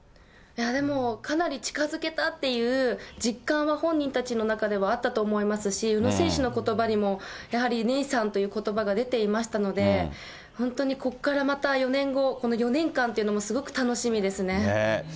でもかなり近づけたっていう実感は本人たちの中ではあったと思いますし、宇野選手のことばにも、やはりネイサンということばが出ていましたので、本当にここからまた、４年後、この４年間というのもすごく楽しみですね。